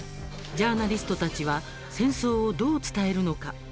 ジャーナリストたちは戦争をどう伝えるのか？